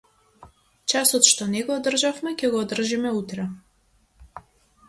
Часот што не го одржавме ќе го одржиме утре.